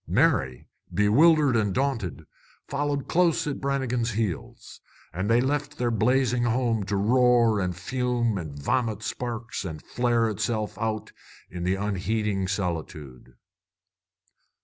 Mary, bewildered and daunted, followed close at Brannigan's heels. And they left their blazing home to roar and fume and vomit sparks and flare itself out in the unheeding solitude.